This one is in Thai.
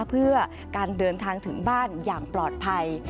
เพื่อการเดินทางถึงบ้านอย่างปลอดภัย